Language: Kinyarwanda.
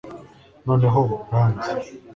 Noneho uranzi